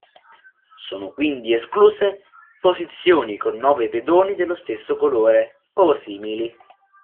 Sono quindi escluse posizioni con nove pedoni dello stesso colore o simili.